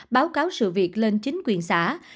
báo cáo sự việc lên chính quyền xã